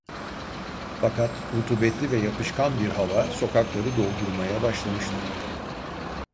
Fakat rutubetli ve yapışkan bir hava sokakları doldurmaya başlamıştı.